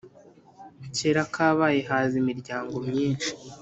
kera kabaye haza imiryango myishi